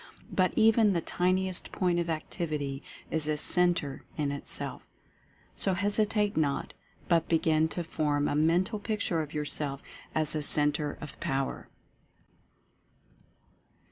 But even the tiniest . Point of Activity is a Centre in Itself. So hesitate not, but begin to form a Mental Picture of yourself as a CEN TRE OF POWER.